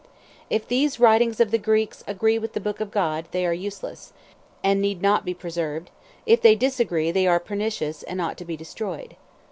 "If these writings of the Greeks agree with the book of God, they are useless, and need not be preserved: if they disagree, they are pernicious, and ought to be destroyed."